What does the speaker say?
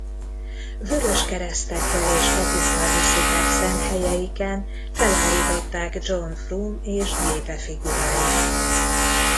Vörös keresztekkel és kapukkal díszített szent helyeiken felállították John Frum és gépe figuráját.